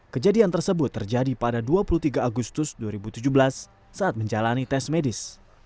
kejadian tersebut terjadi pada dua puluh tiga agustus dua ribu tujuh belas saat menjalani tes medis